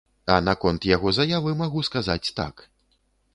А наконт яго заявы магу сказаць так.